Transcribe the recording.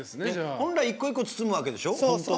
本来、一個一個包むわけでしょ。